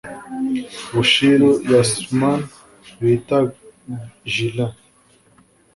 Bushiru Yesman bita Gullain